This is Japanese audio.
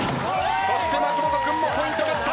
そして松本君もポイントゲット。